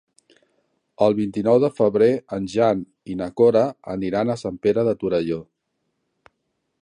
El vint-i-nou de febrer en Jan i na Cora aniran a Sant Pere de Torelló.